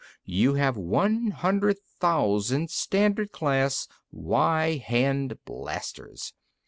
You have one hundred thousand Standard class Y hand blasters.